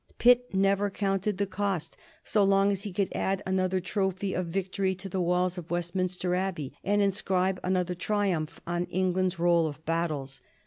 Pitt never counted the cost so long as he could add another trophy of victory to the walls of Westminster Abbey and inscribe another triumph on England's roll of battles.